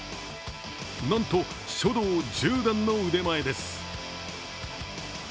なんと、書道十段の腕前です。